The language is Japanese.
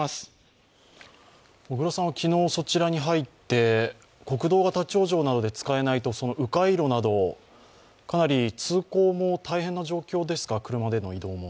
昨日そちらに入って、国道が立往生などで使えないとう回路など、かなり通行も大変な状況ですか、車での移動も。